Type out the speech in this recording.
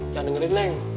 jangan dengerin neng